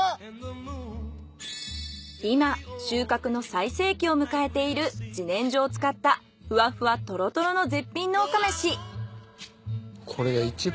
今収穫の最盛期を迎えている自然薯を使ったふわふわトロトロの絶品農家飯。